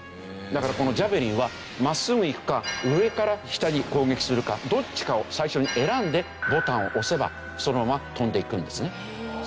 だからこのジャベリンは真っすぐいくか上から下に攻撃するかどっちかを最初に選んでボタンを押せばそのまま飛んでいくんですね。